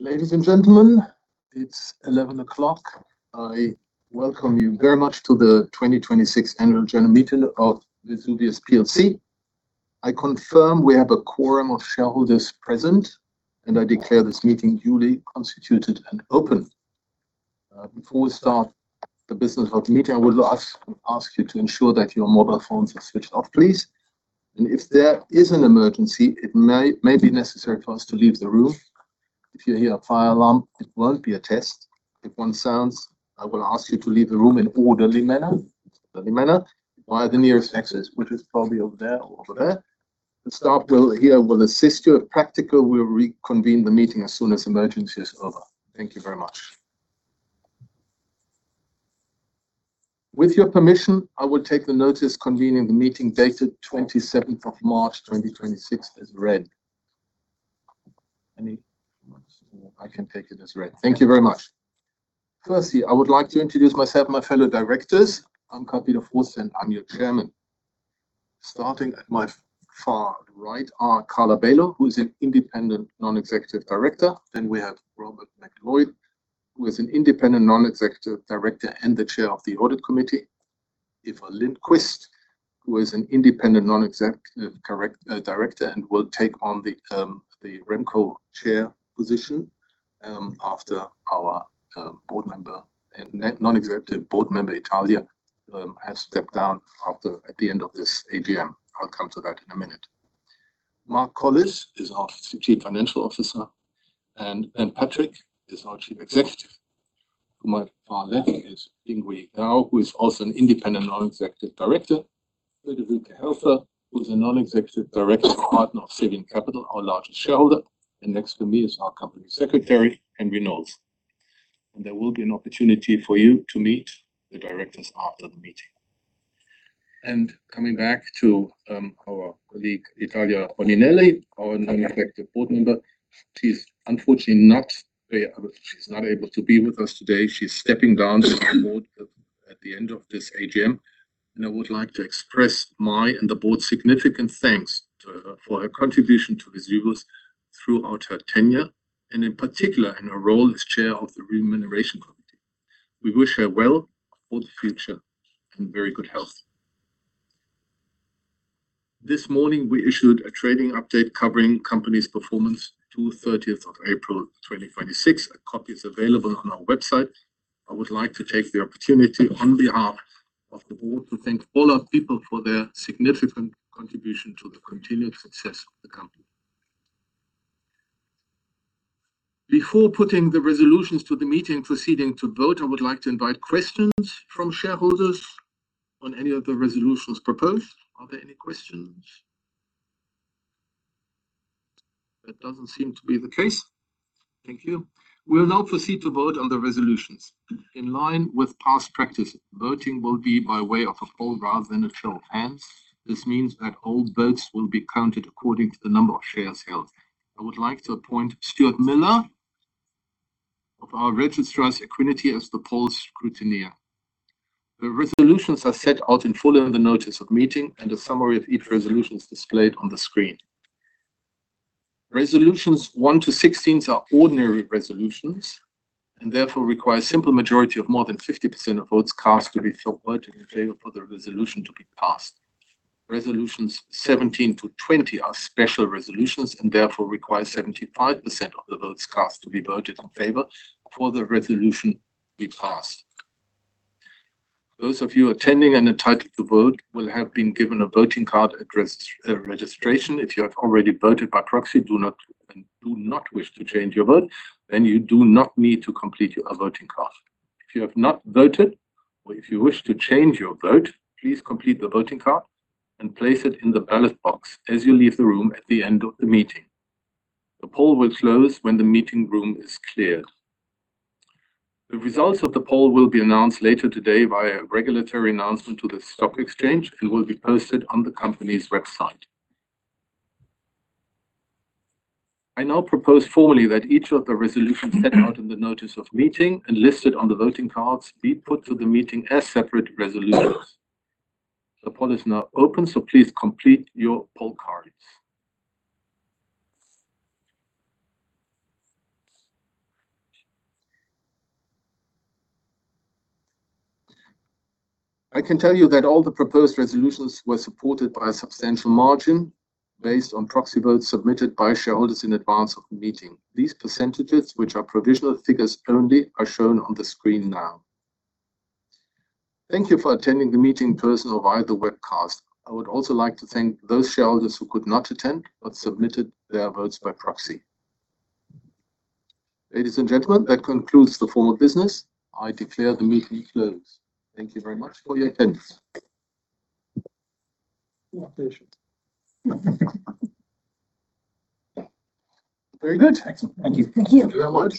Ladies and gentlemen, it's 11:00 A.M. I welcome you very much to the 2026 annual general meeting of Vesuvius plc. I confirm we have a quorum of shareholders present. I declare this meeting duly constituted and open. Before we start the business of the meeting, I will ask you to ensure that your mobile phones are switched off, please. If there is an emergency, it may be necessary for us to leave the room. If you hear a fire alarm, it won't be a test. If one sounds, I will ask you to leave the room in an orderly manner via the nearest exit, which is probably over there or over there. The staff here will assist you if practical. We will reconvene the meeting as soon as the emergency is over. Thank you very much. With your permission, I will take the notice convening the meeting dated 27th of March 2026 as read. Any comments? I can take it as read. Thank you very much. I would like to introduce myself and my fellow directors. I'm Carl-Peter Forster. I'm your Chairman. Starting at my far right are Carla Bailo, who is an Independent Non-Executive Director. We have Robert MacLeod, who is an Independent Non-Executive Director and the Chair of the Audit Committee. Eva Lindqvist, who is an Independent Non-Executive Director and will take on the RemCo chair position after our Non-Executive Board Member, Italia, has stepped down at the end of this AGM. I'll come to that in a minute. Mark Collis is our Chief Financial Officer, and Patrick is our Chief Executive. To my far left is Ping Yee Au, who is also an Independent Non-Executive Director. Friederike Helfer, who is a Non-Executive Director partner of Cevian Capital, our largest shareholder. Next to me is our Company Secretary, Henry Knowles. There will be an opportunity for you to meet the directors after the meeting. Coming back to our colleague, Italia Boninelli, our Non-Executive Board Member. She's not able to be with us today. She's stepping down from our board at the end of this AGM, and I would like to express my and the board's significant thanks to her for her contribution to Vesuvius throughout her tenure, and in particular in her role as chair of the Remuneration Committee. We wish her well for the future and very good health. This morning, we issued a trading update covering the company's performance to the 30th of April 2026. A copy is available on our website. I would like to take the opportunity on behalf of the board to thank all our people for their significant contribution to the continued success of the company. Before putting the resolutions to the meeting proceeding to vote, I would like to invite questions from shareholders on any of the resolutions proposed. Are there any questions? That doesn't seem to be the case. Thank you. We will now proceed to vote on the resolutions. In line with past practice, voting will be by way of a poll rather than a show of hands. This means that all votes will be counted according to the number of shares held. I would like to appoint Stuart Miller of our registrar's Equiniti as the poll scrutineer. The resolutions are set out in full in the notice of meeting, and a summary of each resolution is displayed on the screen. Resolutions 1-16 are ordinary resolutions and therefore require a simple majority of more than 50% of votes cast to be voted in favor for the resolution to be passed. Resolutions 17-20 are special resolutions and therefore require 75% of the votes cast to be voted in favor for the resolution to be passed. Those of you attending and entitled to vote will have been given a voting card at registration. If you have already voted by proxy and do not wish to change your vote, then you do not need to complete a voting card. If you have not voted or if you wish to change your vote, please complete the voting card and place it in the ballot box as you leave the room at the end of the meeting. The poll will close when the meeting room is clear. The results of the poll will be announced later today via a regulatory announcement to the stock exchange and will be posted on the company's website. I now propose formally that each of the resolutions set out in the notice of meeting and listed on the voting cards be put to the meeting as separate resolutions. The poll is now open. Please complete your poll cards. I can tell you that all the proposed resolutions were supported by a substantial margin based on proxy votes submitted by shareholders in advance of the meeting. These percentages, which are provisional figures only, are shown on the screen now. Thank you for attending the meeting in person or via the webcast. I would also like to thank those shareholders who could not attend but submitted their votes by proxy. Ladies and gentlemen, that concludes the formal business. I declare the meeting closed. Thank you very much for your attendance. Very good. Thank you. Thank you very much.